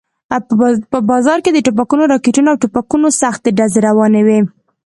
په باران کې د توپونو، راکټونو او ټوپکونو سختې ډزې روانې وې.